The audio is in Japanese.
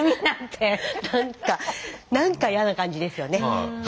なんかなんかやな感じですよね。